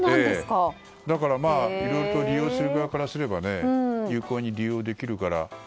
だからいろいろと利用する側からすれば有効に利用できるから。